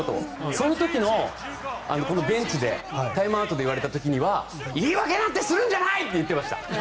その時のベンチでタイムアウトで言われた時は言い訳なんてするんじゃない！って言ってました。